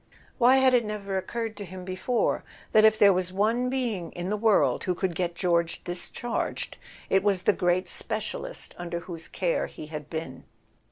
Why had it never occurred to him before that if there was one being in the world who could get George discharged it was the great specialist under whose care he had been?